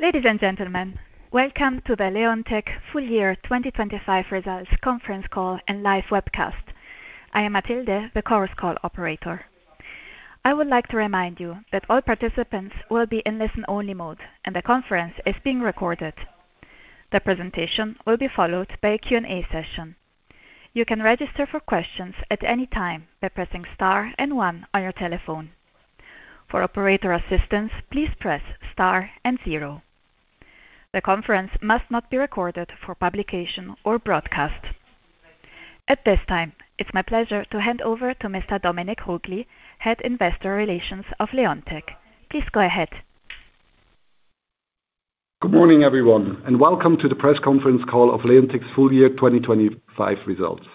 Ladies and gentlemen, welcome to the Leonteq Full Year 2025 Results Conference Call and live webcast. I am Matilde, the conference call operator. I would like to remind you that all participants will be in listen-only mode, and the conference is being recorded. The presentation will be followed by a Q&A session. You can register for questions at any time by pressing star and one on your telephone. For operator assistance, please press star and zero. The conference must not be recorded for publication or broadcast. At this time, it's my pleasure to hand over to Mr. Dominik Ruggli, Head Investor Relations of Leonteq. Please go ahead. Good morning, everyone, and welcome to the press conference call of Leonteq's full year 2025 results.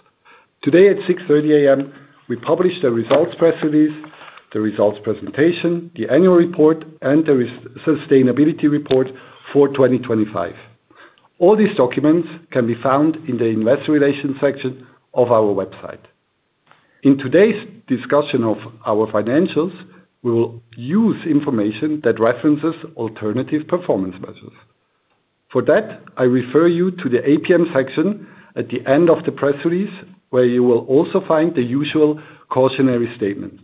Today at 6:30 A.M., we published the results press release, the results presentation, the annual report, and the sustainability report for 2025. All these documents can be found in the Investor Relations section of our website. In today's discussion of our financials, we will use information that references alternative performance measures. For that, I refer you to the APM section at the end of the press release, where you will also find the usual cautionary statement.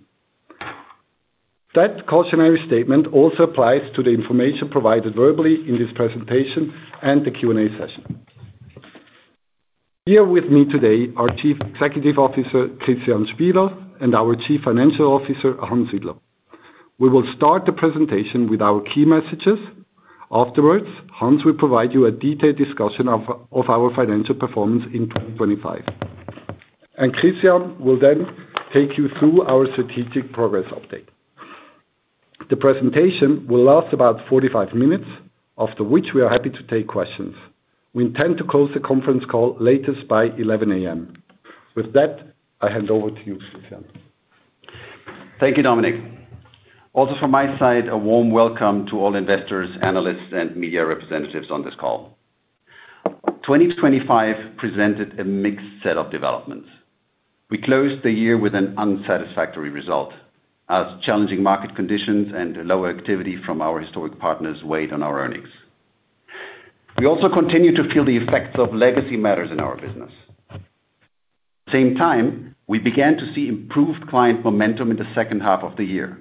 That cautionary statement also applies to the information provided verbally in this presentation and the Q&A session. Here with me today, our Chief Executive Officer, Christian Spieler, and our Chief Financial Officer, Hans Widler. We will start the presentation with our key messages. Afterwards, Hans will provide you a detailed discussion of our financial performance in 2025. Christian will then take you through our strategic progress update. The presentation will last about 45 minutes, after which we are happy to take questions. We intend to close the conference call latest by 11 A.M. With that, I hand over to you, Christian. Thank you, Dominik. Also from my side, a warm welcome to all investors, analysts, and media representatives on this call. 2025 presented a mixed set of developments. We closed the year with an unsatisfactory result as challenging market conditions and lower activity from our historic partners weighed on our earnings. We also continued to feel the effects of legacy matters in our business. Same time, we began to see improved client momentum in the second half of the year.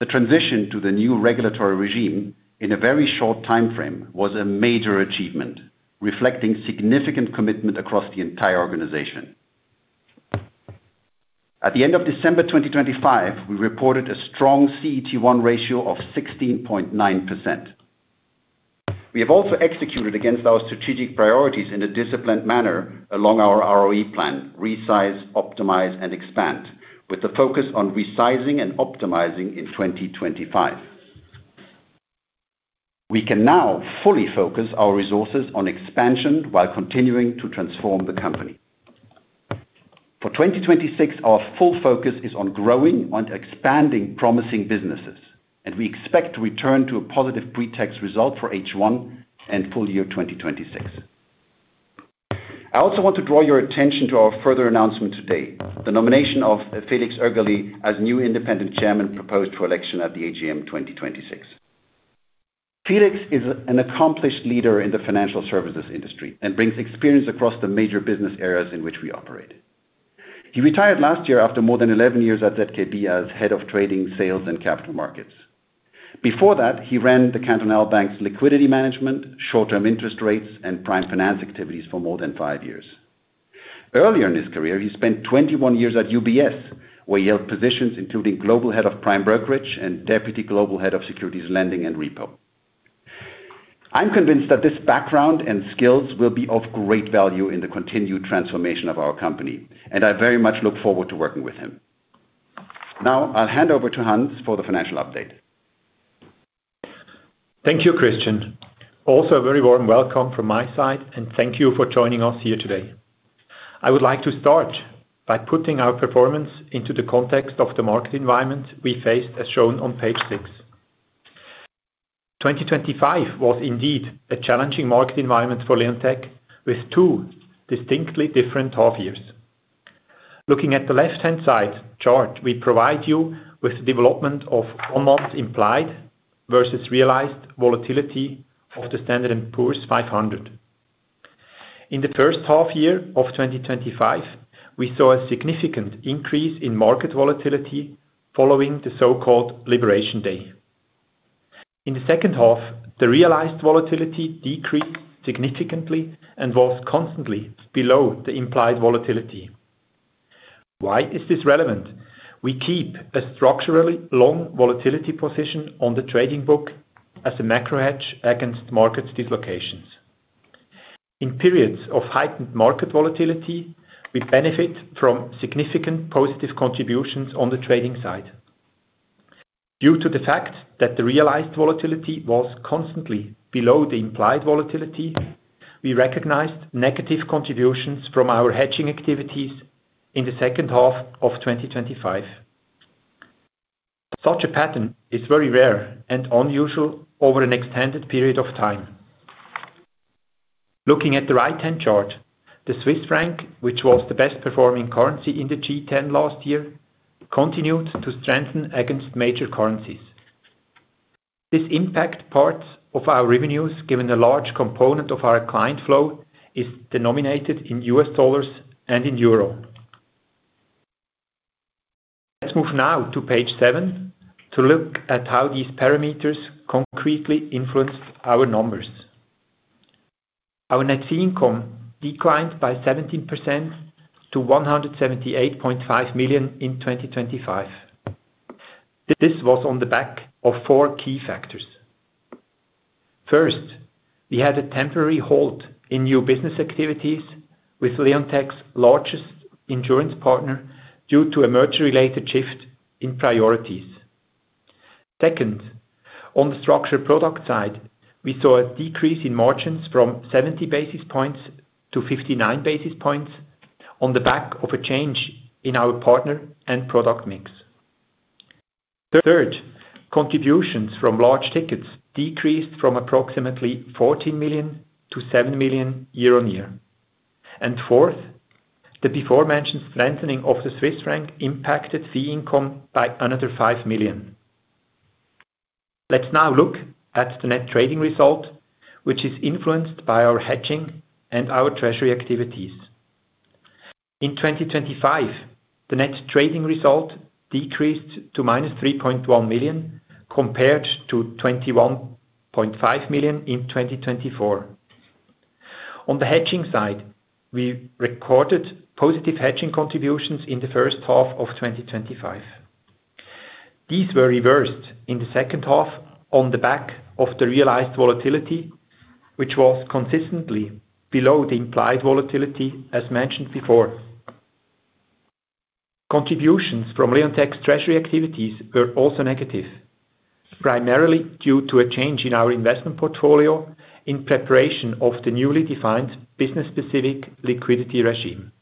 The transition to the new regulatory regime in a very short timeframe was a major achievement, reflecting significant commitment across the entire organization. At the end of December 2025, we reported a strong CET1 ratio of 16.9%. We have also executed against our strategic priorities in a disciplined manner along our ROE plan, resize, optimize, and expand, with the focus on resizing and optimizing in 2025. We can now fully focus our resources on expansion while continuing to transform the company. For 2026, our full focus is on growing and expanding promising businesses, and we expect to return to a positive pre-tax result for H1 and full year 2026. I also want to draw your attention to our further announcement today, the nomination of Felix Oegerli as new independent chairman, proposed for election at the AGM 2026. Felix is an accomplished leader in the financial services industry and brings experience across the major business areas in which we operate. He retired last year after more than 11 years at ZKB as Head of Trading, Sales, and Capital Markets. Before that, he ran the Zürcher Kantonalbank's liquidity management, short-term interest rates, and prime finance activities for more than five years. Earlier in his career, he spent 21 years at UBS, where he held positions including Global Head of Prime Brokerage and Deputy Global Head of Securities Lending and Repo. I'm convinced that this background and skills will be of great value in the continued transformation of our company, and I very much look forward to working with him. Now, I'll hand over to Hans for the financial update. Thank you, Christian. Also, a very warm welcome from my side, and thank you for joining us here today. I would like to start by putting our performance into the context of the market environment we faced, as shown on page six. 2025 was indeed a challenging market environment for Leonteq, with two distinctly different half years. Looking at the left-hand side chart, we provide you with the development of one month implied versus realized volatility of the S&P 500. In the first half year of 2025, we saw a significant increase in market volatility following the so-called Liberation Day. In the second half, the realized volatility decreased significantly and was constantly below the implied volatility. Why is this relevant? We keep a structurally long volatility position on the trading book as a macro hedge against market dislocations. In periods of heightened market volatility, we benefit from significant positive contributions on the trading side. Due to the fact that the realized volatility was constantly below the implied volatility, we recognized negative contributions from our hedging activities in the second half of 2025. Such a pattern is very rare and unusual over an extended period of time.... Looking at the right-hand chart, the Swiss franc, which was the best performing currency in the G10 last year, continued to strengthen against major currencies. This impact parts of our revenues, given the large component of our client flow, is denominated in U.S. dollars and in euro. Let's move now to page seven to look at how these parameters concretely influenced our numbers. Our net fee income declined by 17% to 178.5 million in 2025. This was on the back of four key factors. First, we had a temporary halt in new business activities with Leonteq's largest insurance partner due to a merger-related shift in priorities. Second, on the structured product side, we saw a decrease in margins from 70 basis points to 59 basis points on the back of a change in our partner and product mix. Third, contributions from large tickets decreased from approximately 14 million to 7 million year-on-year. And fourth, the before-mentioned strengthening of the Swiss franc impacted fee income by another 5 million. Let's now look at the net trading result, which is influenced by our hedging and our treasury activities. In 2025, the net trading result decreased to -3.1 million, compared to 21.5 million in 2024. On the hedging side, we recorded positive hedging contributions in the first half of 2025. These were reversed in the second half on the back of the realized volatility, which was consistently below the implied volatility, as mentioned before. Contributions from Leonteq's treasury activities were also negative, primarily due to a change in our investment portfolio in preparation of the newly defined business-specific liquidity regime.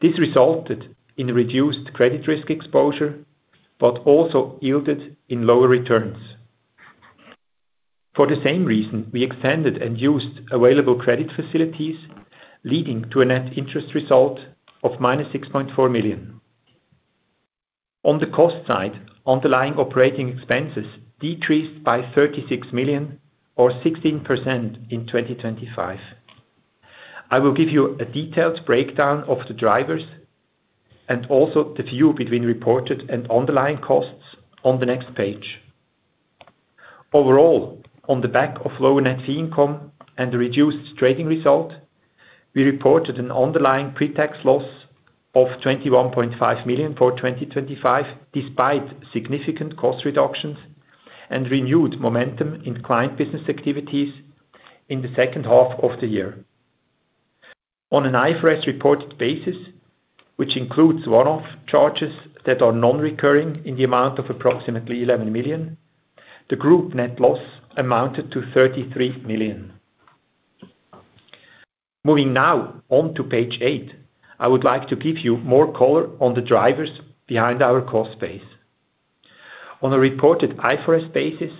This resulted in reduced credit risk exposure, but also yielded in lower returns. For the same reason, we extended and used available credit facilities, leading to a net interest result of -6.4 million. On the cost side, underlying operating expenses decreased by 36 million or 16% in 2025. I will give you a detailed breakdown of the drivers and also the view between reported and underlying costs on the next page. Overall, on the back of lower net fee income and the reduced trading result, we reported an underlying pre-tax loss of 21.5 million for 2025, despite significant cost reductions and renewed momentum in client business activities in the second half of the year. On an IFRS reported basis, which includes one-off charges that are non-recurring in the amount of approximately 11 million, the group net loss amounted to 33 million. Moving now on to page eight, I would like to give you more color on the drivers behind our cost base. On a reported IFRS basis,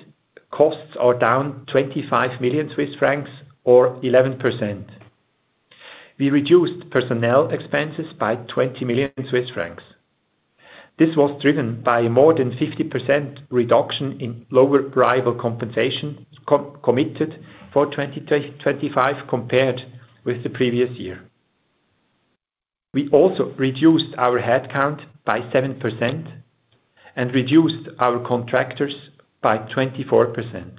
costs are down 25 million Swiss francs or 11%. We reduced personnel expenses by 20 million Swiss francs. This was driven by more than 50% reduction in variable compensation committed for 2025 compared with the previous year. We also reduced our headcount by 7% and reduced our contractors by 24%.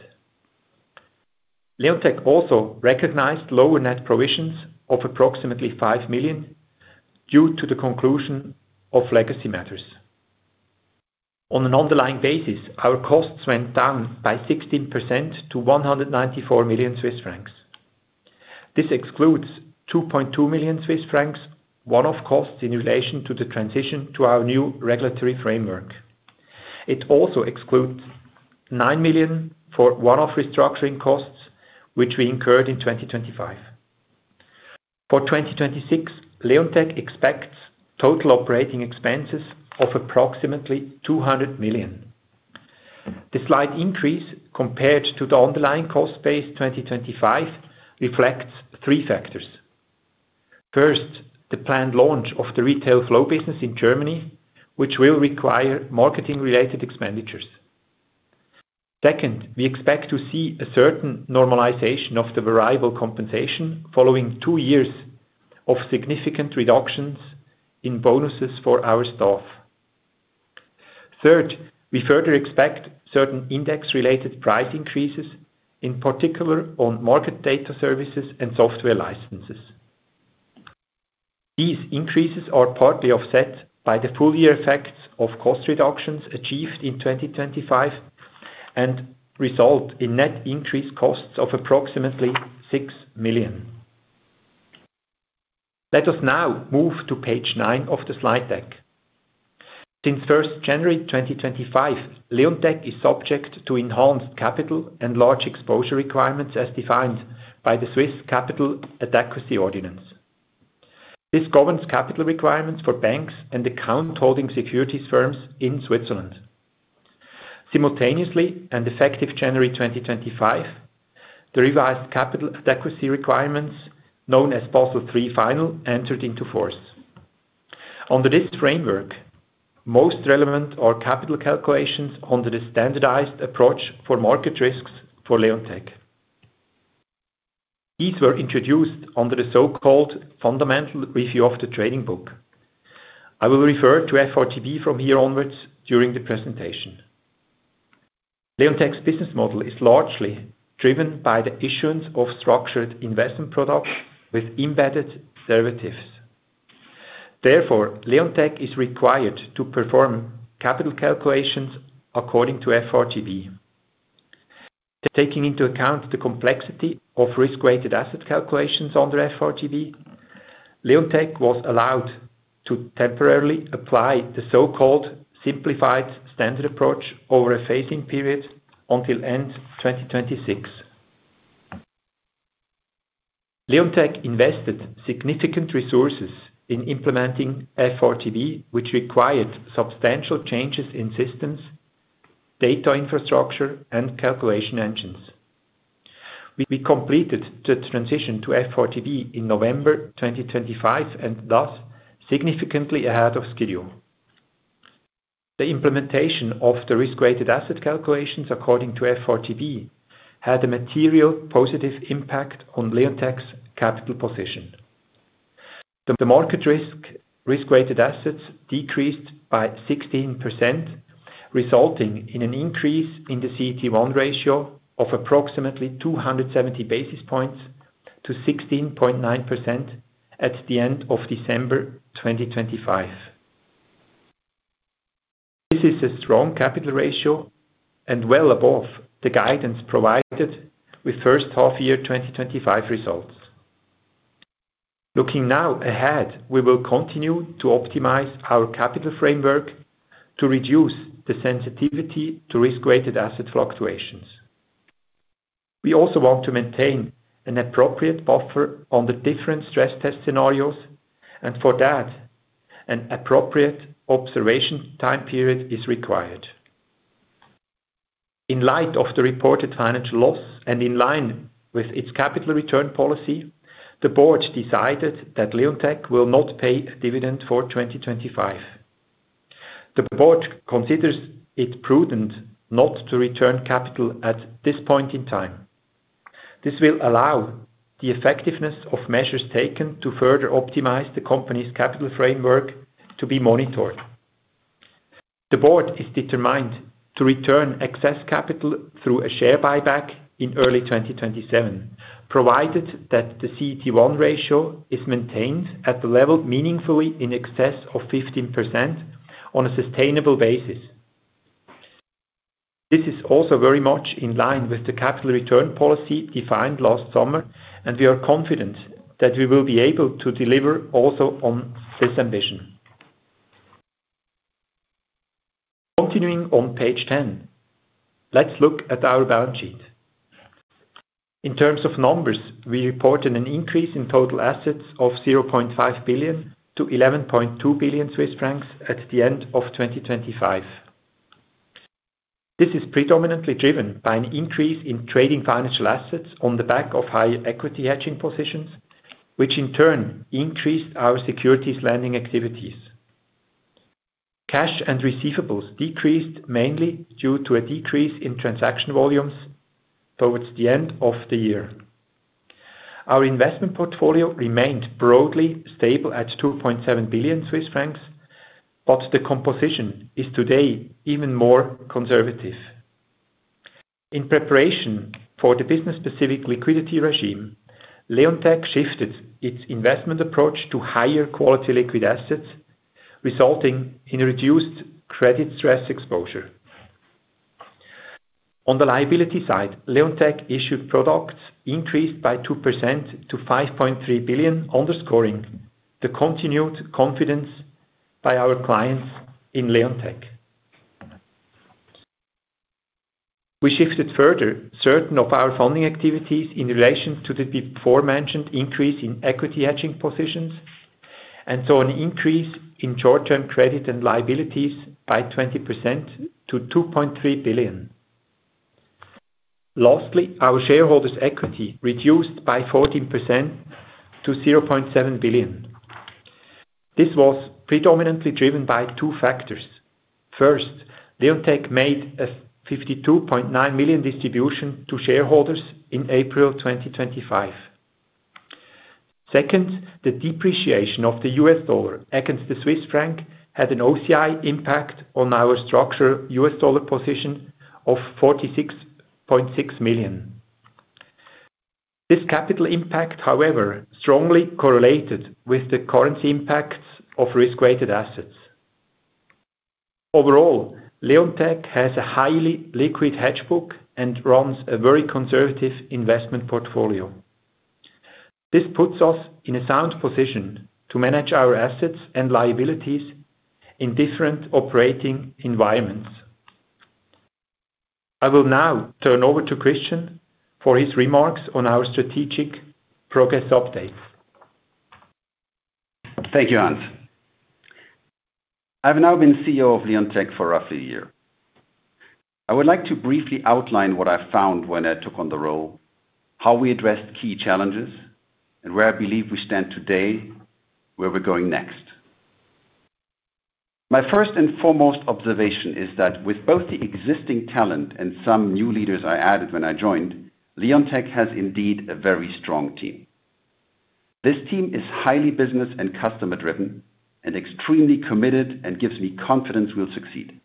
Leonteq also recognized lower net provisions of approximately 5 million due to the conclusion of legacy matters. On an underlying basis, our costs went down by 16% to 194 million Swiss francs. This excludes 2.2 million Swiss francs one-off costs in relation to the transition to our new regulatory framework. It also excludes 9 million for one-off restructuring costs, which we incurred in 2025. For 2026, Leonteq expects total operating expenses of approximately 200 million. The slight increase compared to the underlying cost base 2025 reflects three factors. First, the planned launch of the Retail Flow Business in Germany, which will require marketing-related expenditures. Second, we expect to see a certain normalization of the variable compensation following two years of significant reductions in bonuses for our staff. Third, we further expect certain index-related price increases, in particular on market data services and software licenses. These increases are partly offset by the full year effects of cost reductions achieved in 2025 and result in net increased costs of approximately 6 million. Let us now move to page nine of the slide deck. Since January 1, 2025, Leonteq is subject to enhanced capital and large exposure requirements as defined by the Swiss Capital Adequacy Ordinance. This governs capital requirements for banks and account holding securities firms in Switzerland. Simultaneously, and effective January 2025, the revised capital adequacy requirements, known as Basel III final, entered into force. Under this framework, most relevant are capital calculations under the standardized approach for market risks for Leonteq. These were introduced under the so-called fundamental review of the trading book. I will refer to FRTB from here onwards during the presentation. Leonteq's business model is largely driven by the issuance of structured investment products with embedded derivatives. Therefore, Leonteq is required to perform capital calculations according to FRTB. Taking into account the complexity of risk-weighted asset calculations under FRTB, Leonteq was allowed to temporarily apply the so-called simplified standard approach over a phasing period until end 2026. Leonteq invested significant resources in implementing FRTB, which required substantial changes in systems, data infrastructure, and calculation engines. We completed the transition to FRTB in November 2025, and thus significantly ahead of schedule. The implementation of the risk-weighted asset calculations according to FRTB, had a material positive impact on Leonteq's capital position. The market risk risk-weighted assets decreased by 16%, resulting in an increase in the CET1 ratio of approximately 270 basis points to 16.9% at the end of December 2025. This is a strong capital ratio and well above the guidance provided with first half-year 2025 results. Looking now ahead, we will continue to optimize our capital framework to reduce the sensitivity to risk-weighted asset fluctuations. We also want to maintain an appropriate buffer on the different stress test scenarios, and for that, an appropriate observation time period is required. In light of the reported financial loss and in line with its capital return policy, the board decided that Leonteq will not pay a dividend for 2025. The board considers it prudent not to return capital at this point in time. This will allow the effectiveness of measures taken to further optimize the company's capital framework to be monitored. The board is determined to return excess capital through a share buyback in early 2027, provided that the CET1 ratio is maintained at the level meaningfully in excess of 15% on a sustainable basis. This is also very much in line with the capital return policy defined last summer, and we are confident that we will be able to deliver also on this ambition. Continuing on page 10, let's look at our balance sheet. In terms of numbers, we reported an increase in total assets of 0.5 billion to 11.2 billion Swiss francs at the end of 2025. This is predominantly driven by an increase in trading financial assets on the back of high equity hedging positions, which in turn increased our securities lending activities. Cash and receivables decreased mainly due to a decrease in transaction volumes towards the end of the year. Our investment portfolio remained broadly stable at 2.7 billion Swiss francs, but the composition is today even more conservative. In preparation for the business-specific liquidity regime, Leonteq shifted its investment approach to higher quality liquid assets, resulting in reduced credit stress exposure. On the liability side, Leonteq issued products increased by 2% to 5.3 billion, underscoring the continued confidence by our clients in Leonteq. We shifted further certain of our funding activities in relation to the aforementioned increase in equity hedging positions, and saw an increase in short-term credit and liabilities by 20% to 2.3 billion. Lastly, our shareholders' equity reduced by 14% to 0.7 billion. This was predominantly driven by two factors. First, Leonteq made a 52.9 million distribution to shareholders in April 2025. Second, the depreciation of the U.S. dollar against the Swiss franc had an OCI impact on our structural U.S. dollar position of CHF 46.6 million. This capital impact, however, strongly correlated with the currency impacts of risk-weighted assets. Overall, Leonteq has a highly liquid hedge book and runs a very conservative investment portfolio. This puts us in a sound position to manage our assets and liabilities in different operating environments. I will now turn over to Christian for his remarks on our strategic progress update.... Thank you, Hans. I've now been CEO of Leonteq for roughly a year. I would like to briefly outline what I found when I took on the role, how we addressed key challenges, and where I believe we stand today, where we're going next. My first and foremost observation is that with both the existing talent and some new leaders I added when I joined, Leonteq has indeed a very strong team. This team is highly business and customer-driven, and extremely committed, and gives me confidence we'll succeed.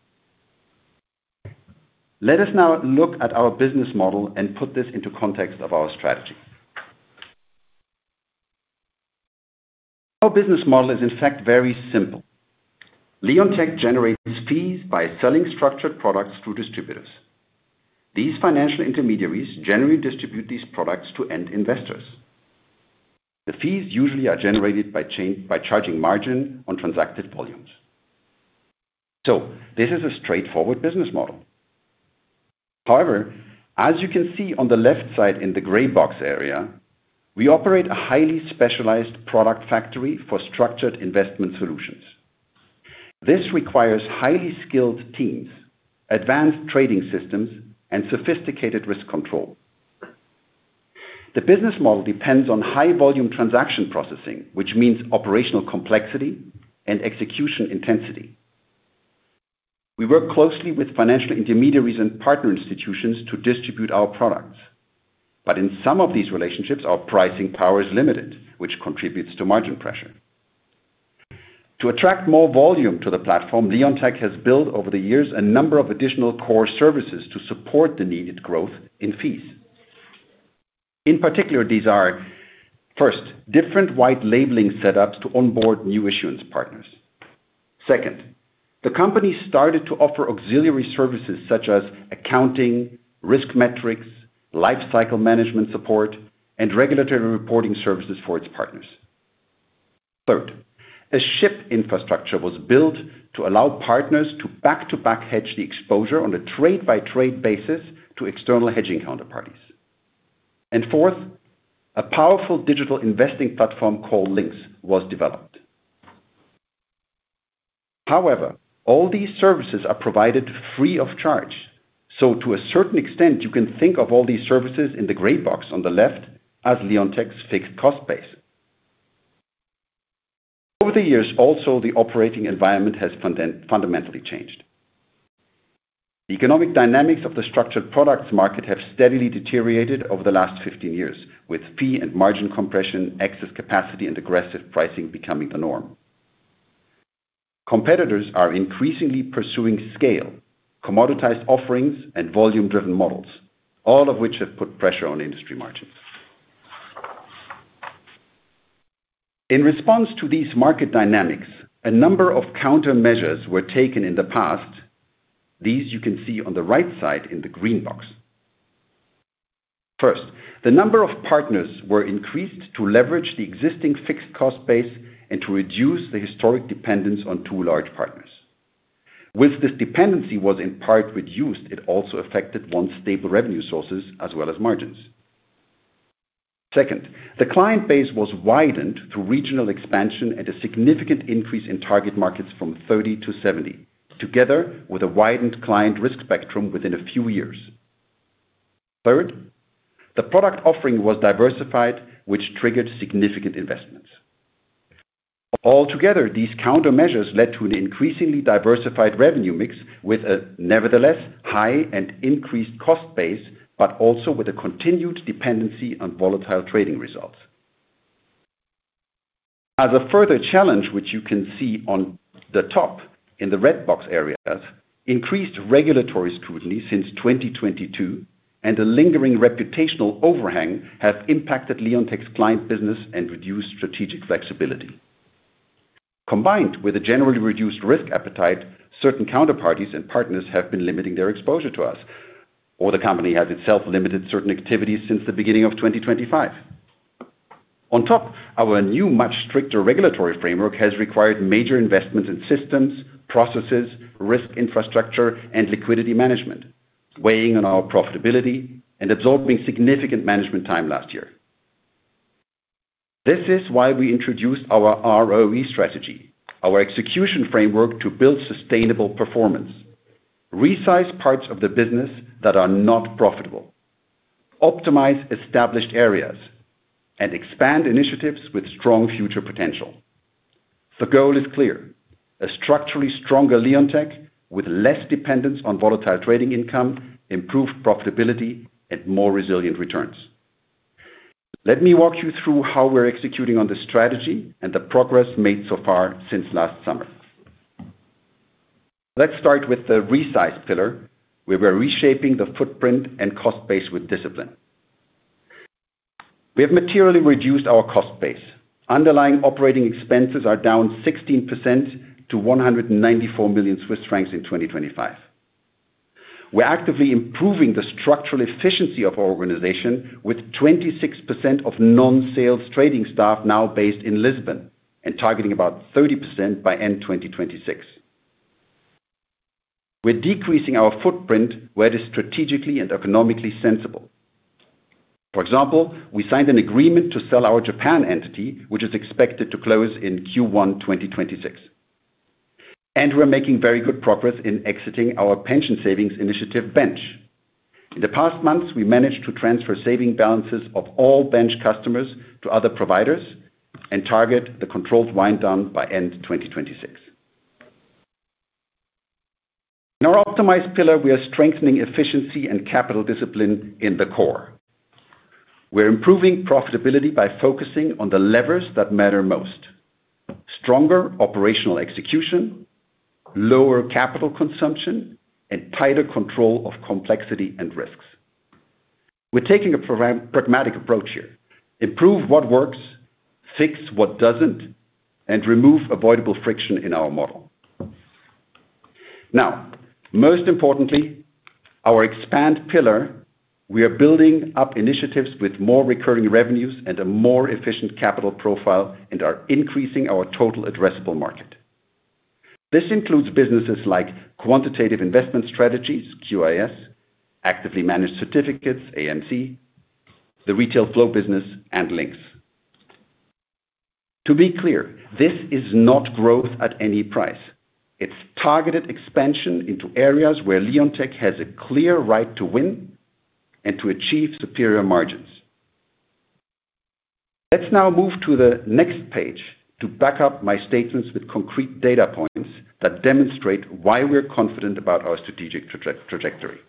Let us now look at our business model and put this into context of our strategy. Our business model is, in fact, very simple. Leonteq generates fees by selling structured products through distributors. These financial intermediaries generally distribute these products to end investors. The fees usually are generated by charging margin on transacted volumes. So this is a straightforward business model. However, as you can see on the left side in the gray box area, we operate a highly specialized product factory for structured investment solutions. This requires highly skilled teams, advanced trading systems, and sophisticated risk control. The business model depends on high volume transaction processing, which means operational complexity and execution intensity. We work closely with financial intermediaries and partner institutions to distribute our products, but in some of these relationships, our pricing power is limited, which contributes to margin pressure. To attract more volume to the platform, Leonteq has built over the years a number of additional core services to support the needed growth in fees. In particular, these are, first, different white labeling setups to onboard new issuance partners. Second, the company started to offer auxiliary services such as accounting, risk metrics, lifecycle management support, and regulatory reporting services for its partners. Third, a ShIP infrastructure was built to allow partners to back-to-back hedge the exposure on a trade-by-trade basis to external hedging counterparties. And fourth, a powerful digital investing platform called Lynx was developed. However, all these services are provided free of charge. So to a certain extent, you can think of all these services in the gray box on the left as Leonteq's fixed cost base. Over the years, also, the operating environment has fundamentally changed. The economic dynamics of the structured products market have steadily deteriorated over the last 15 years, with fee and margin compression, excess capacity, and aggressive pricing becoming the norm. Competitors are increasingly pursuing scale, commoditized offerings, and volume-driven models, all of which have put pressure on industry margins. In response to these market dynamics, a number of countermeasures were taken in the past. These you can see on the right side in the green box. First, the number of partners were increased to leverage the existing fixed cost base and to reduce the historic dependence on two large partners. With this dependency was in part reduced, it also affected one's stable revenue sources as well as margins. Second, the client base was widened through regional expansion and a significant increase in target markets from 30-70, together with a widened client risk spectrum within a few years. Third, the product offering was diversified, which triggered significant investments. Altogether, these countermeasures led to an increasingly diversified revenue mix, with a nevertheless high and increased cost base, but also with a continued dependency on volatile trading results. As a further challenge, which you can see on the top in the red box areas, increased regulatory scrutiny since 2022 and a lingering reputational overhang has impacted Leonteq's client business and reduced strategic flexibility. Combined with a generally reduced risk appetite, certain counterparties and partners have been limiting their exposure to us, or the company has itself limited certain activities since the beginning of 2025. On top, our new, much stricter regulatory framework has required major investments in systems, processes, risk infrastructure, and liquidity management, weighing on our profitability and absorbing significant management time last year. This is why we introduced our ROE strategy, our execution framework to build sustainable performance, resize parts of the business that are not profitable, optimize established areas, and expand initiatives with strong future potential. The goal is clear: a structurally stronger Leonteq with less dependence on volatile trading income, improved profitability, and more resilient returns. Let me walk you through how we're executing on the strategy and the progress made so far since last summer. Let's start with the resize pillar, where we're reshaping the footprint and cost base with discipline. We have materially reduced our cost base. Underlying operating expenses are down 16% to 194 million Swiss francs in 2025. We're actively improving the structural efficiency of our organization, with 26% of non-sales trading staff now based in Lisbon and targeting about 30% by end 2026.... We're decreasing our footprint where it is strategically and economically sensible. For example, we signed an agreement to sell our Japan entity, which is expected to close in Q1 2026. And we're making very good progress in exiting our pension savings initiative Bench. In the past months, we managed to transfer savings balances of all Bench customers to other providers and target the controlled wind down by end 2026. In our Optimized pillar, we are strengthening efficiency and capital discipline in the core. We're improving profitability by focusing on the levers that matter most: stronger operational execution, lower capital consumption, and tighter control of complexity and risks. We're taking a pragmatic approach here. Improve what works, fix what doesn't, and remove avoidable friction in our model. Now, most importantly, our Expand pillar, we are building up initiatives with more recurring revenues and a more efficient capital profile, and are increasing our total addressable market. This includes businesses like Quantitative Investment Strategies, QIS, Actively Managed Certificates, AMC, the Retail Flow Business, and Lynx. To be clear, this is not growth at any price. It's targeted expansion into areas where Leonteq has a clear right to win and to achieve superior margins. Let's now move to the next page to back up my statements with concrete data points that demonstrate why we're confident about our strategic trajectory.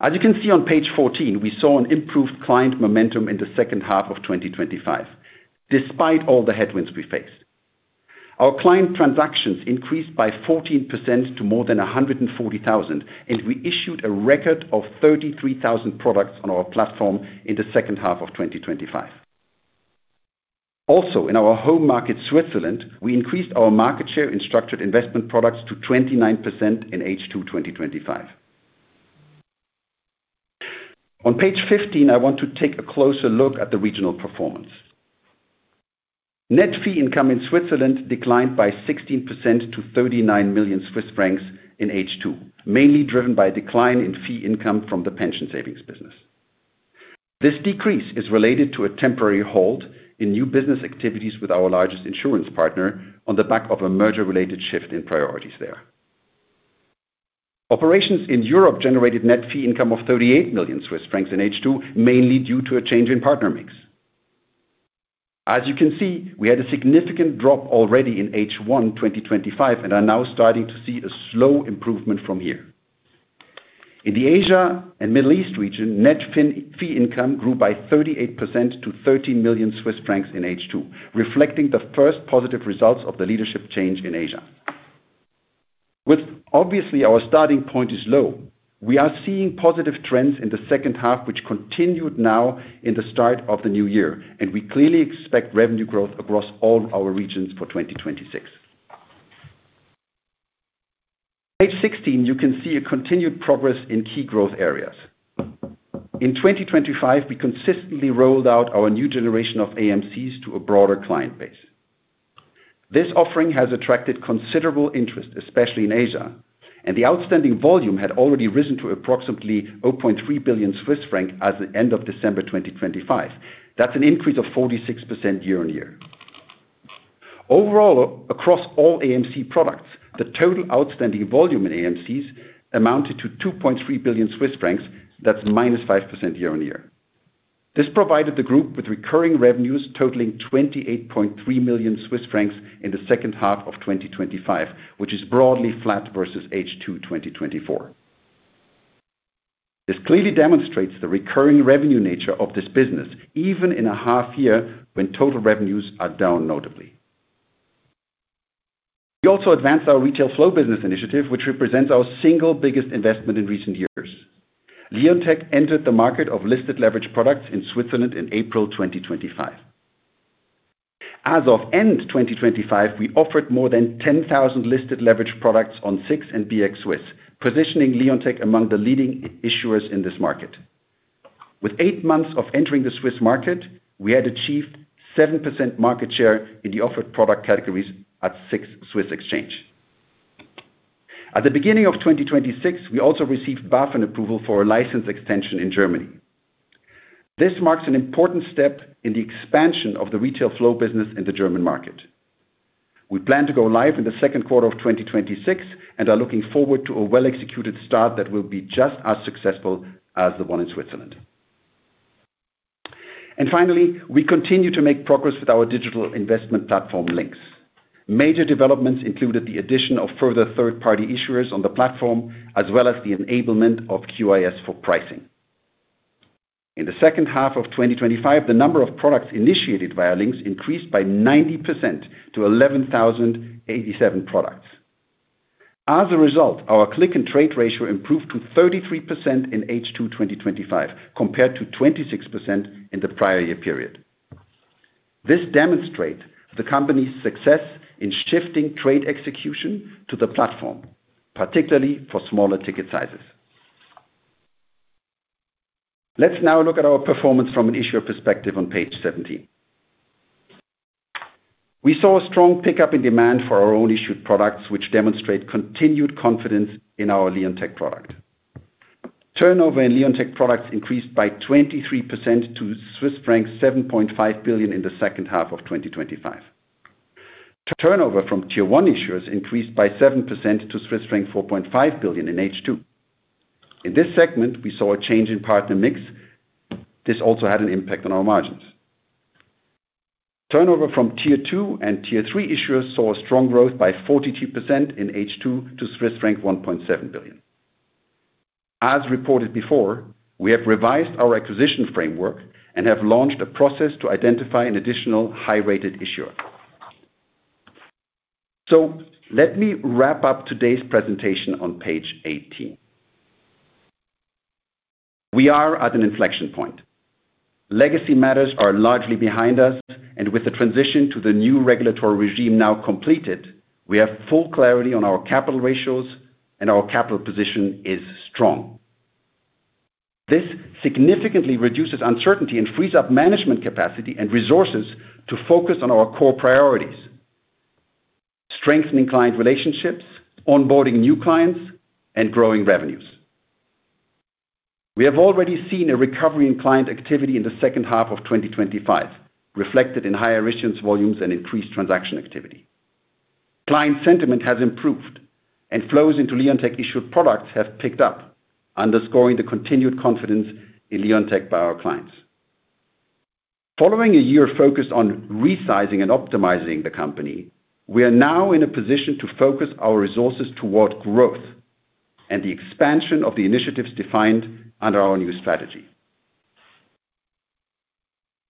As you can see on page 14, we saw an improved client momentum in the second half of 2025, despite all the headwinds we faced. Our client transactions increased by 14% to more than 140,000, and we issued a record of 33,000 products on our platform in the second half of 2025. Also, in our home market, Switzerland, we increased our market share in structured investment products to 29% in H2 2025. On page 15, I want to take a closer look at the regional performance. Net fee income in Switzerland declined by 16% to 39 million Swiss francs in H2, mainly driven by a decline in fee income from the pension savings business. This decrease is related to a temporary halt in new business activities with our largest insurance partner on the back of a merger-related shift in priorities there. Operations in Europe generated net fee income of 38 million Swiss francs in H2, mainly due to a change in partner mix. As you can see, we had a significant drop already in H1 2025, and are now starting to see a slow improvement from here. In the Asia and Middle East region, net fee income grew by 38% to 13 million Swiss francs in H2, reflecting the first positive results of the leadership change in Asia. With obviously, our starting point is low, we are seeing positive trends in the second half, which continued now in the start of the new year, and we clearly expect revenue growth across all our regions for 2026. Page 16, you can see a continued progress in key growth areas. In 2025, we consistently rolled out our new generation of AMCs to a broader client base. This offering has attracted considerable interest, especially in Asia, and the outstanding volume had already risen to approximately 0.3 billion Swiss francs as of end of December 2025. That's an increase of 46% year-on-year. Overall, across all AMC products, the total outstanding volume in AMCs amounted to 2.3 billion Swiss francs. That's minus 5% year-on-year. This provided the group with recurring revenues totaling 28.3 million Swiss francs in the second half of 2025, which is broadly flat versus H2 2024. This clearly demonstrates the recurring revenue nature of this business, even in a half year when total revenues are down notably. We also advanced our retail flow business initiative, which represents our single biggest investment in recent years. Leonteq entered the market of listed leverage products in Switzerland in April 2025. As of end 2025, we offered more than 10,000 listed leverage products on SIX and BX Swiss, positioning Leonteq among the leading issuers in this market. With eight months of entering the Swiss market, we had achieved 7% market share in the offered product categories at SIX Swiss Exchange. At the beginning of 2026, we also received BaFin approval for a license extension in Germany. This marks an important step in the expansion of the Retail Flow Business in the German market. We plan to go live in the second quarter of 2026 and are looking forward to a well-executed start that will be just as successful as the one in Switzerland. And finally, we continue to make progress with our digital investment platform, Lynx. Major developments included the addition of further third-party issuers on the platform, as well as the enablement of QIS for pricing. In the second half of 2025, the number of products initiated via Lynx increased by 90% to 11,087 products. As a result, our click-and-trade ratio improved to 33% in H2 2025, compared to 26% in the prior year period. This demonstrates the company's success in shifting trade execution to the platform, particularly for smaller ticket sizes.... Let's now look at our performance from an issuer perspective on page 17. We saw a strong pickup in demand for our own issued products, which demonstrate continued confidence in our Leonteq product. Turnover in Leonteq products increased by 23% to Swiss franc 7.5 billion in the second half of 2025. Turnover from tier one issuers increased by 7% to Swiss franc 4.5 billion in H2. In this segment, we saw a change in partner mix. This also had an impact on our margins. Turnover from tier two and tier three issuers saw a strong growth by 42% in H2 to Swiss franc 1.7 billion. As reported before, we have revised our acquisition framework and have launched a process to identify an additional high-rated issuer. So let me wrap up today's presentation on page 18. We are at an inflection point. Legacy matters are largely behind us, and with the transition to the new regulatory regime now completed, we have full clarity on our capital ratios, and our capital position is strong. This significantly reduces uncertainty and frees up management capacity and resources to focus on our core priorities: strengthening client relationships, onboarding new clients, and growing revenues. We have already seen a recovery in client activity in the second half of 2025, reflected in higher issuance volumes and increased transaction activity. Client sentiment has improved, and flows into Leonteq issued products have picked up, underscoring the continued confidence in Leonteq by our clients. Following a year focused on resizing and optimizing the company, we are now in a position to focus our resources toward growth and the expansion of the initiatives defined under our new strategy.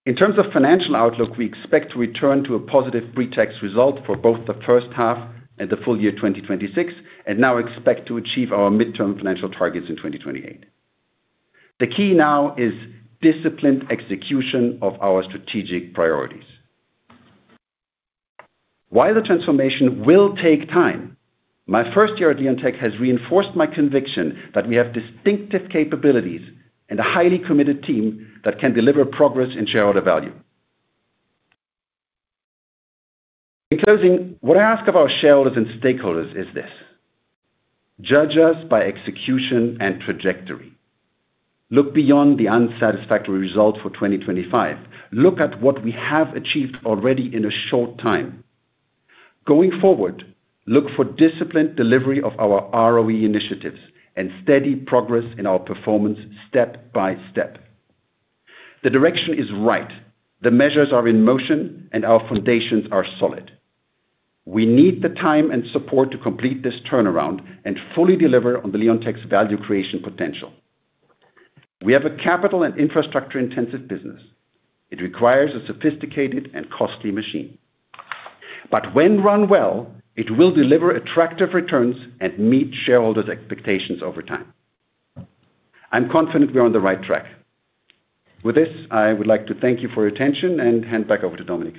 In terms of financial outlook, we expect to return to a positive pre-tax result for both the first half and the full year 2026, and now expect to achieve our midterm financial targets in 2028. The key now is disciplined execution of our strategic priorities. While the transformation will take time, my first year at Leonteq has reinforced my conviction that we have distinctive capabilities and a highly committed team that can deliver progress and shareholder value. In closing, what I ask of our shareholders and stakeholders is this: judge us by execution and trajectory. Look beyond the unsatisfactory result for 2025. Look at what we have achieved already in a short time. Going forward, look for disciplined delivery of our ROE initiatives and steady progress in our performance step by step. The direction is right, the measures are in motion, and our foundations are solid. We need the time and support to complete this turnaround and fully deliver on Leonteq's value creation potential. We have a capital and infrastructure-intensive business. It requires a sophisticated and costly machine. But when run well, it will deliver attractive returns and meet shareholders' expectations over time. I'm confident we are on the right track. With this, I would like to thank you for your attention and hand back over to Dominik.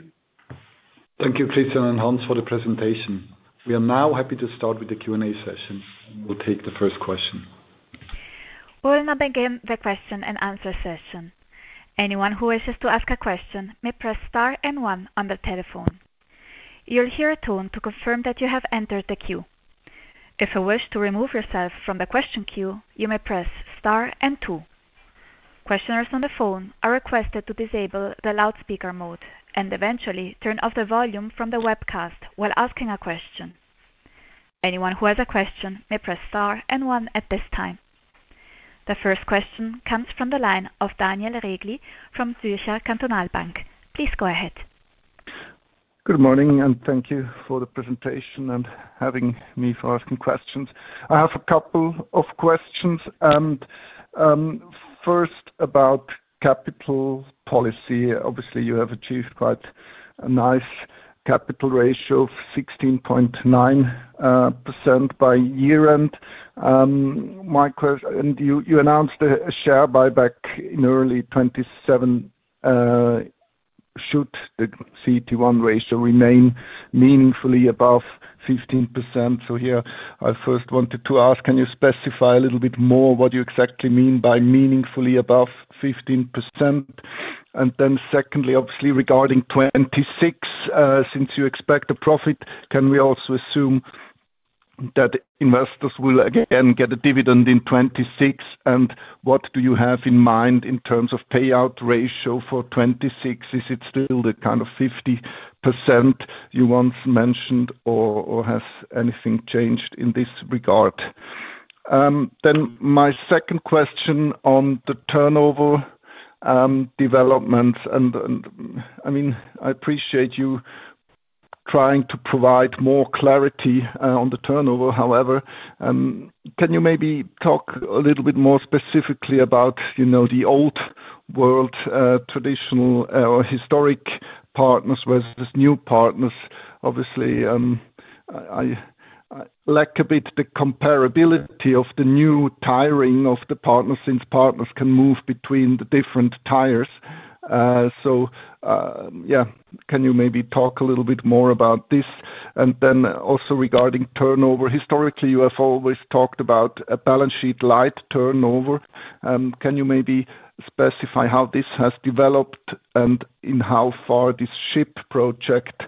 Thank you, Christian and Hans, for the presentation. We are now happy to start with the Q&A session. We'll take the first question. We'll now begin the question and answer session. Anyone who wishes to ask a question may press star and one on the telephone. You'll hear a tone to confirm that you have entered the queue. If you wish to remove yourself from the question queue, you may press star and two. Questioners on the phone are requested to disable the loudspeaker mode and eventually turn off the volume from the webcast while asking a question. Anyone who has a question may press star and one at this time. The first question comes from the line of Daniel Regli from Zürcher Kantonalbank. Please go ahead. Good morning, and thank you for the presentation and having me for asking questions. I have a couple of questions, and first, about capital policy. Obviously, you have achieved quite a nice capital ratio of 16.9% by year-end. And you announced a share buyback in early 2027. Should the CET1 ratio remain meaningfully above 15%? So here I first wanted to ask, can you specify a little bit more what you exactly mean by meaningfully above 15%? And then secondly, obviously, regarding 2026, since you expect a profit, can we also assume that investors will again get a dividend in 2026? And what do you have in mind in terms of payout ratio for 2026? Is it still the kind of 50% you once mentioned, or has anything changed in this regard? Then my second question on the turnover development, and I mean, I appreciate you trying to provide more clarity on the turnover. However, can you maybe talk a little bit more specifically about, you know, the old world, traditional, or historic partners versus new partners? Obviously, I lack a bit the comparability of the new tiering of the partners, since partners can move between the different tiers. So, yeah, can you maybe talk a little bit more about this? And then also regarding turnover. Historically, you have always talked about a balance sheet light turnover. Can you maybe specify how this has developed and in how far this ShIP project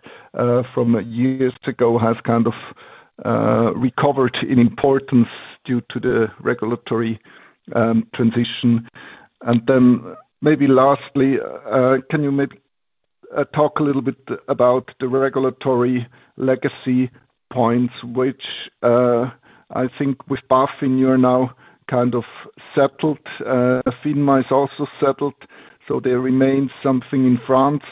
from years ago has kind of recovered in importance due to the regulatory transition? And then maybe lastly, can you maybe talk a little bit about the regulatory legacy points, which I think with BaFin, you are now kind of settled. FINMA is also settled, so there remains something in France.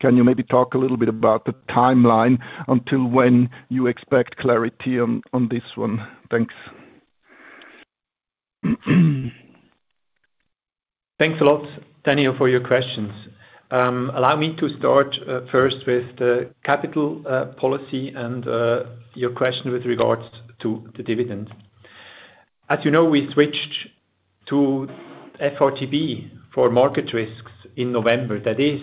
Can you maybe talk a little bit about the timeline until when you expect clarity on this one? Thanks. Thanks a lot, Daniel, for your questions. Allow me to start first with the capital policy and your question with regards to the dividend. As you know, we switched to FRTB for market risks in November, that is,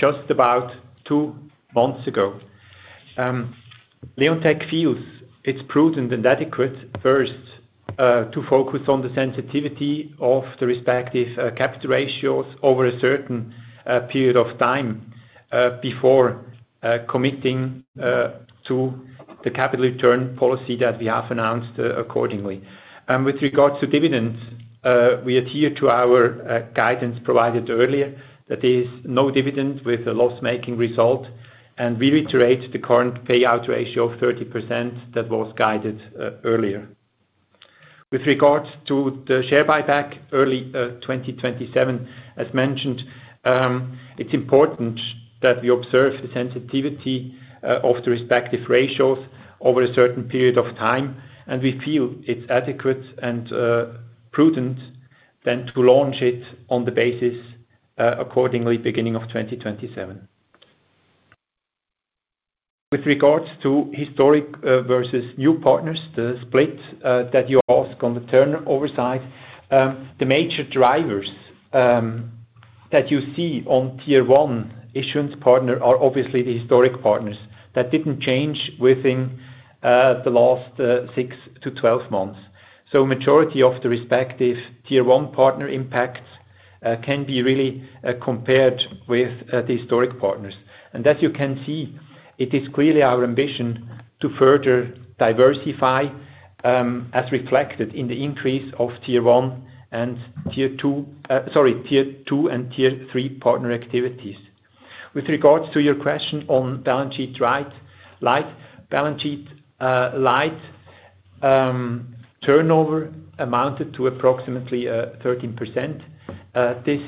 just about two months ago. Leonteq feels it's prudent and adequate, first, to focus on the sensitivity of the respective capital ratios over a certain period of time before committing to the capital return policy that we have announced accordingly. With regards to dividends, we adhere to our guidance provided earlier. That is no dividend with a loss-making result, and we reiterate the current payout ratio of 30% that was guided earlier. With regards to the share buyback, early 2027, as mentioned, it's important that we observe the sensitivity of the respective ratios over a certain period of time, and we feel it's adequate and prudent than to launch it on the basis accordingly, beginning of 2027. With regards to historic versus new partners, the split that you ask on the turnover side. The major drivers that you see on Tier 1 issuance partner are obviously the historic partners. That didn't change within the last six-12 months. So majority of the respective Tier 1 partner impacts can be really compared with the historic partners. As you can see, it is clearly our ambition to further diversify, as reflected in the increase of tier one and tier two, sorry, tier two and tier three partner activities. With regards to your question on balance sheet-light. Balance sheet-light turnover amounted to approximately 13%. This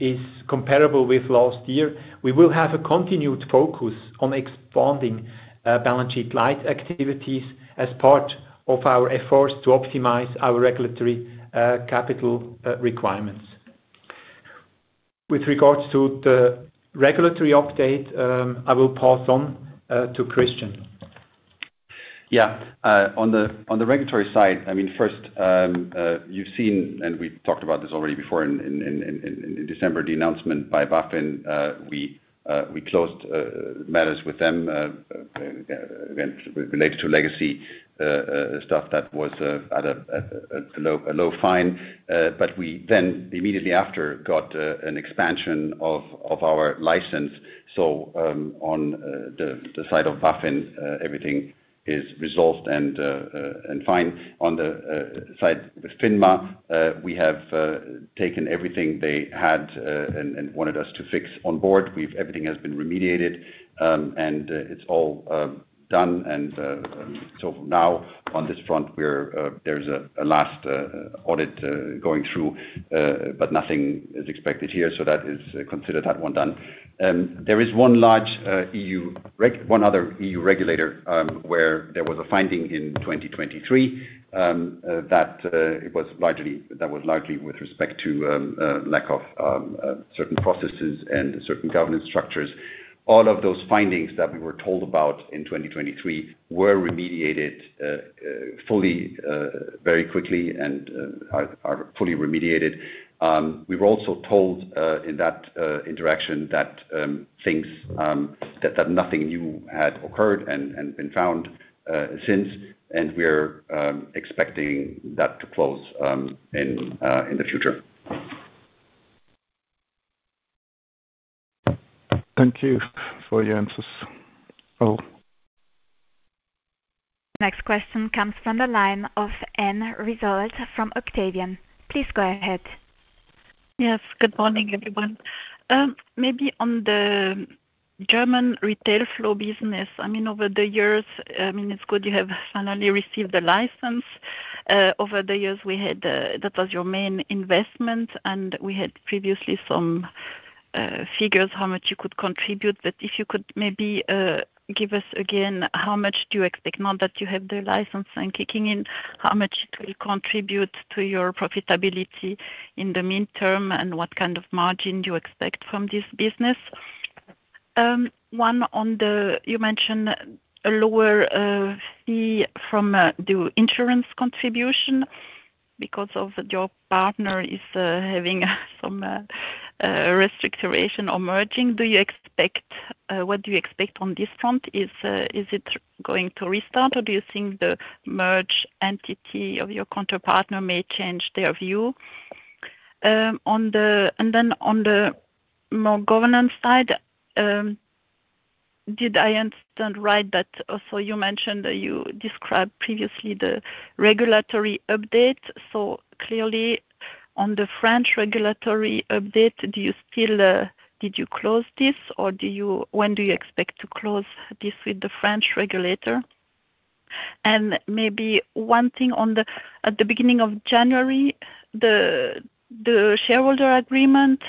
is comparable with last year. We will have a continued focus on expanding balance sheet light activities as part of our efforts to optimize our regulatory capital requirements. With regards to the regulatory update, I will pass on to Christian. Yeah. On the regulatory side, I mean, first, you've seen, and we talked about this already before in December, the announcement by BaFin, we closed matters with them, related to legacy stuff that was at a low fine. But we then immediately after got an expansion of our license. So, on the side of BaFin, everything is resolved and fine. On the side with FINMA, we have taken everything they had and wanted us to fix on board. We've everything has been remediated, and it's all done. And so now on this front, we're, there's a last audit going through, but nothing is expected here, so that is considered that one done. There is one large, one other EU regulator, where there was a finding in 2023, that it was largely, that was largely with respect to lack of certain processes and certain governance structures. All of those findings that we were told about in 2023 were remediated fully very quickly and are fully remediated. We were also told in that interaction that things that nothing new had occurred and been found since, and we're expecting that to close in the future. Thank you for your answers. Oh. Next question comes from the line of Anne Result from Octavian. Please go ahead. Yes, good morning, everyone. Maybe on the German Retail Flow Business, I mean, over the years, I mean, it's good you have finally received the license. Over the years, we had, that was your main investment, and we had previously some figures, how much you could contribute. But if you could maybe give us again, how much do you expect now that you have the license and kicking in, how much it will contribute to your profitability in the midterm, and what kind of margin do you expect from this business? One on the, you mentioned a lower fee from the insurance contribution because of your partner is having some restructuring or merging. Do you expect, what do you expect on this front? Is, is it going to restart, or do you think the merged entity of your counterparty may change their view? On the-- and then on the more governance side, did I understand right that also you mentioned that you described previously the regulatory update. So clearly on the French regulatory update, do you still, did you close this, or do you-- when do you expect to close this with the French regulator? And maybe one thing on the-- at the beginning of January, the shareholder agreement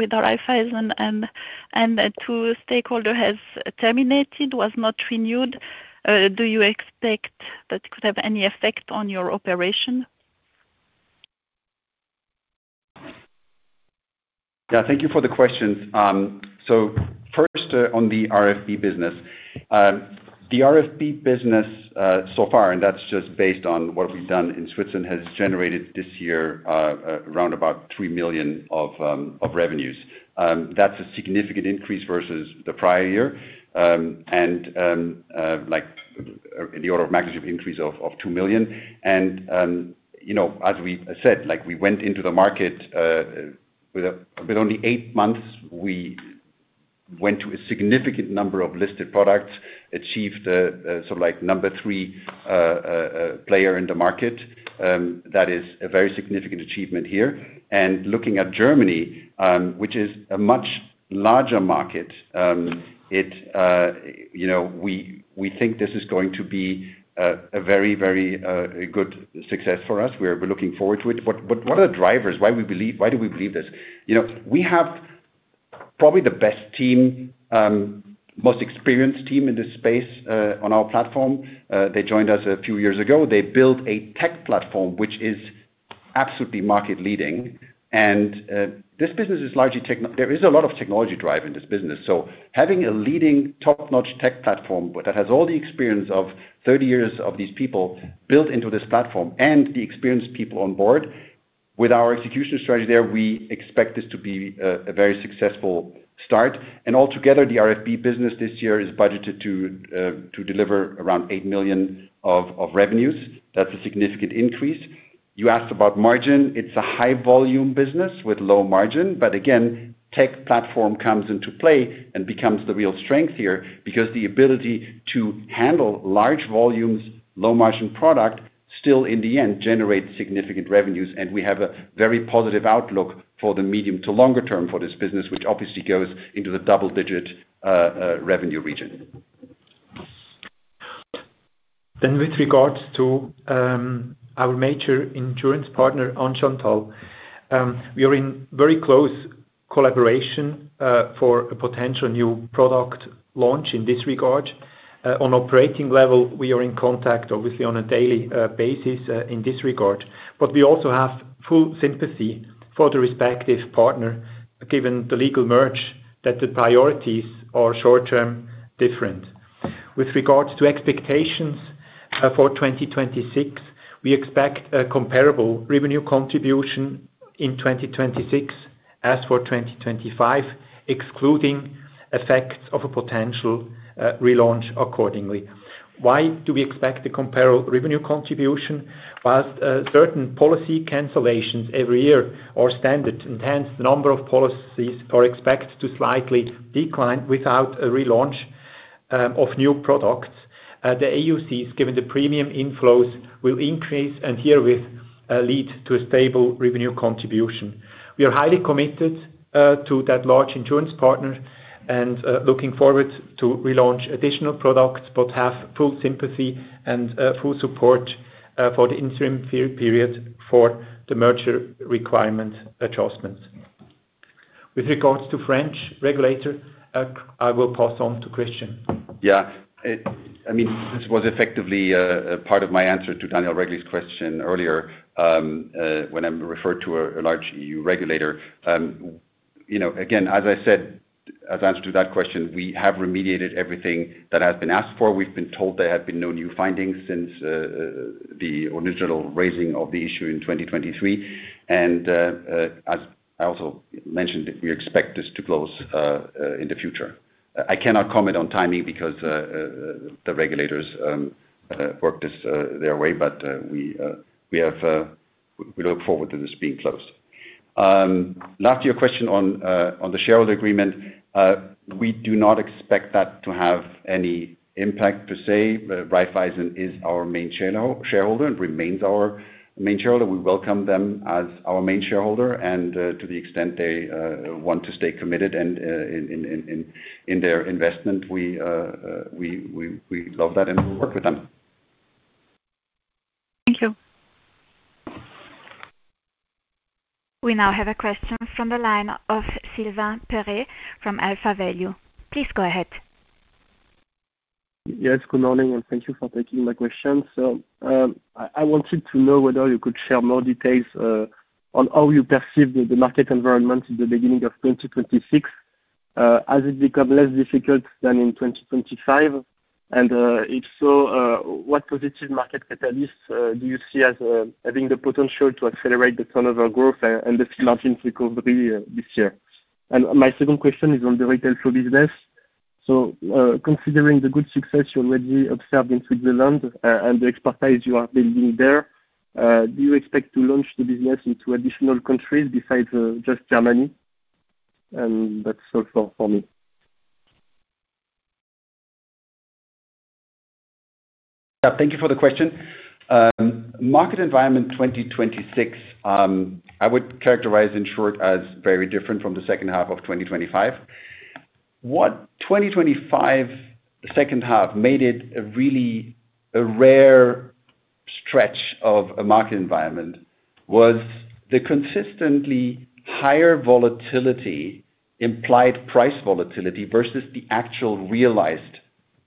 with Raiffeisen and the two stakeholders has terminated, was not renewed. Do you expect that could have any effect on your operation? Yeah, thank you for the questions. First, on the RFP business. The RFP business, so far, and that's just based on what we've done in Switzerland, has generated this year, around about 3 million of, of revenues. That's a significant increase versus the prior year. Like in the order of magnitude increase of, of 2 million. You know, as we said, like, we went into the market, with only eight months, we went to a significant number of listed products, achieved, sort of like number three, player in the market. That is a very significant achievement here. Looking at Germany, which is a much larger market, you know, we think this is going to be a very, very good success for us. We're looking forward to it. But what are the drivers? Why do we believe this? You know, we have probably the best team, most experienced team in this space, on our platform. They joined us a few years ago. They built a tech platform, which is absolutely market leading, and there is a lot of technology drive in this business. So having a leading top-notch tech platform that has all the experience of 30 years of these people built into this platform and the experienced people on board, with our execution strategy there, we expect this to be a very successful start. And altogether, the RFP business this year is budgeted to deliver around 8 million of revenues. That's a significant increase. You asked about margin. It's a high volume business with low margin, but again, tech platform comes into play and becomes the real strength here because the ability to handle large volumes, low margin product, still, in the end, generates significant revenues, and we have a very positive outlook for the medium to longer term for this business, which obviously goes into the double-digit revenue region. Then with regards to our major insurance partner, Argenta. We are in very close collaboration for a potential new product launch in this regard. On operating level, we are in contact, obviously, on a daily basis in this regard. But we also have full sympathy for the respective partner, given the legal merger, that the priorities are short-term different. With regards to expectations for 2026, we expect a comparable revenue contribution in 2026 as for 2025, excluding effects of a potential relaunch accordingly. Why do we expect the comparable revenue contribution? While certain policy cancellations every year are standard, and hence the number of policies are expected to slightly decline without a relaunch of new products, the AUCs, given the premium inflows, will increase and herewith lead to a stable revenue contribution. We are highly committed to that large insurance partner and looking forward to relaunch additional products, but have full sympathy and full support for the interim per-period for the merger requirement adjustments. With regards to French regulator, I will pass on to Christian. Yeah, I mean, this was effectively a part of my answer to Daniel Regli's question earlier, when I referred to a large EU regulator. You know, again, as I said, as answer to that question, we have remediated everything that has been asked for. We've been told there have been no new findings since the original raising of the issue in 2023. And as I also mentioned, we expect this to close in the future. I cannot comment on timing because the regulators work this their way, but we look forward to this being closed. Last, your question on the shareholder agreement. We do not expect that to have any impact per se. Raiffeisen is our main shareholder and remains our main shareholder. We welcome them as our main shareholder, and to the extent they want to stay committed and in their investment, we love that and we work with them. Thank you. We now have a question from the line of Sylvain Perret from AlphaValue. Please go ahead. ... Yes, good morning, and thank you for taking my question. So, I wanted to know whether you could share more details on how you perceive the market environment in the beginning of 2026. Has it become less difficult than in 2025? And if so, what positive market catalysts do you see as having the potential to accelerate the turnover growth and the fee margins recovery this year? And my second question is on the Retail Flow Business. So, considering the good success you already observed in Switzerland and the expertise you are building there, do you expect to launch the business into additional countries besides just Germany? And that's all for me. Yeah, thank you for the question. Market environment 2026, I would characterize in short as very different from the second half of 2025. What 2025, second half, made it a really a rare stretch of a market environment was the consistently higher volatility, implied price volatility versus the actual realized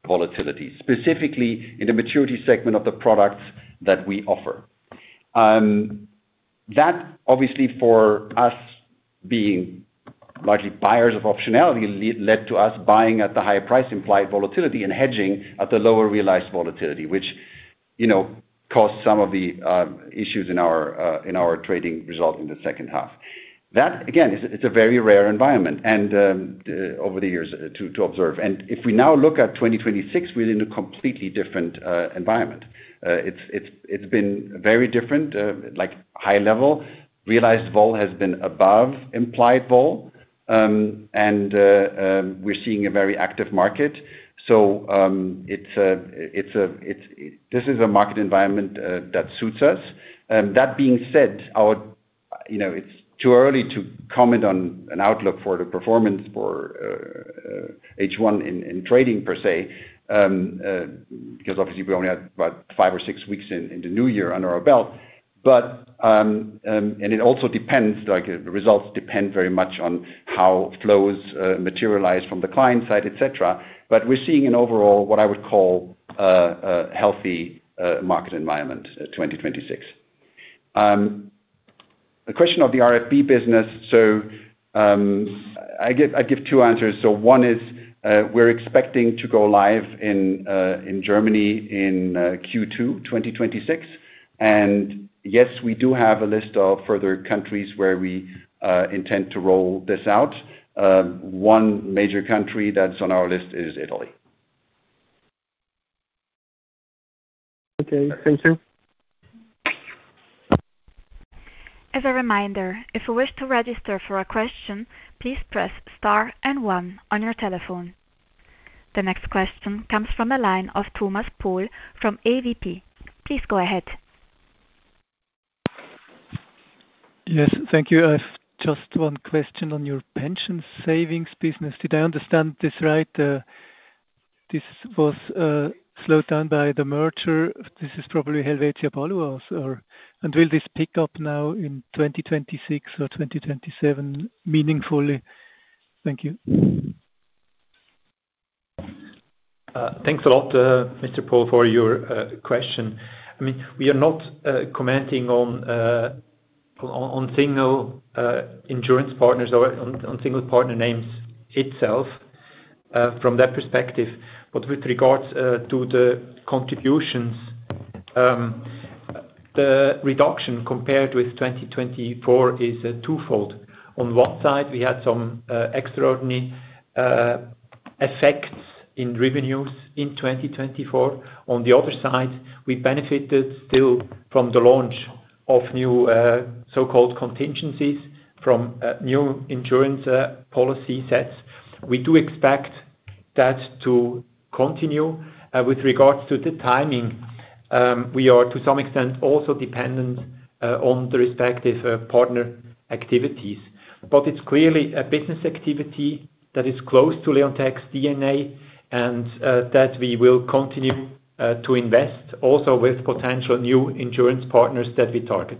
volatility, specifically in the maturity segment of the products that we offer. That obviously, for us, being largely buyers of optionality, led to us buying at the higher price implied volatility and hedging at the lower realized volatility, which, you know, caused some of the issues in our trading result in the second half. That, again, is a, it's a very rare environment, and over the years to observe. And if we now look at 2026, we're in a completely different environment. It's been very different, like high level. Realized vol has been above implied vol, and we're seeing a very active market. So, it's a, it's a, it's—this is a market environment that suits us. That being said, I would... You know, it's too early to comment on an outlook for the performance for H1 in trading per se, because obviously we only had about five or six weeks in the new year under our belt. But, and it also depends, like the results depend very much on how flows materialize from the client side, et cetera. But we're seeing an overall, what I would call, a healthy market environment at 2026. The question of the RFP business, so, I give two answers. So one is, we're expecting to go live in Germany in Q2 2026. And yes, we do have a list of further countries where we intend to roll this out. One major country that's on our list is Italy. Okay, thank you. As a reminder, if you wish to register for a question, please press star and one on your telephone. The next question comes from the line of Thomas Paul from AWP. Please go ahead. Yes, thank you. I've just one question on your pension savings business. Did I understand this right, this was slowed down by the merger? This is probably Helvetia Polo also, or, and will this pick up now in 2026 or 2027 meaningfully? Thank you. Thanks a lot, Mr. Paul, for your question. I mean, we are not commenting on single insurance partners or on single partner names itself from that perspective. But with regards to the contributions, the reduction compared with 2024 is twofold. On one side, we had some extraordinary effects in revenues in 2024. On the other side, we benefited still from the launch of new so-called contingencies from new insurance policy sets. We do expect that to continue. With regards to the timing, we are to some extent also dependent on the respective partner activities. But it's clearly a business activity that is close to Leonteq's DNA and that we will continue to invest also with potential new insurance partners that we target.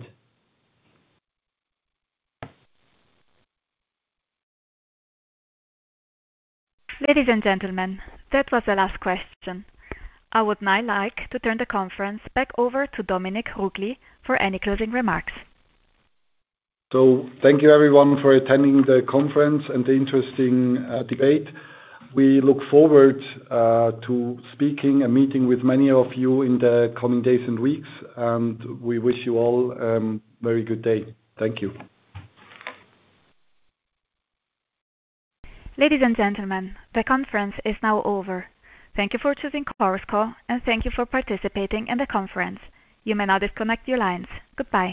Ladies and gentlemen, that was the last question. I would now like to turn the conference back over to Dominik Ruggli for any closing remarks. Thank you everyone for attending the conference and the interesting debate. We look forward to speaking and meeting with many of you in the coming days and weeks, and we wish you all very good day. Thank you. Ladies and gentlemen, the conference is now over. Thank you for choosing Chorus Call, and thank you for participating in the conference. You may now disconnect your lines. Goodbye.